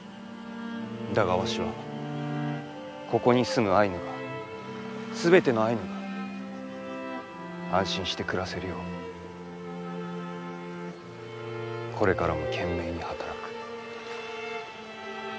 だがわしはここに住むアイヌがすべてのアイヌが安心して暮らせるようこれからも懸命に働く。